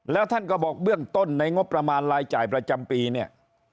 แล้วท่านก็บอกเบื้องต้นในงบประมาณรายจ่ายประจำปีเนี่ย